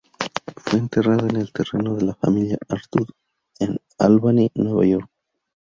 Fue enterrada en el terreno de la familia Arthur en Albany, Nueva York.